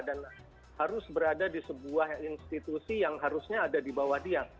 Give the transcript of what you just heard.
dan harus berada di sebuah institusi yang harusnya ada di bawah dia